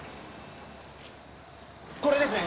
これですね。